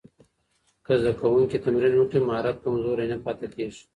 که زده کوونکی تمرین وکړي، مهارت کمزوری نه پاتې کېږي.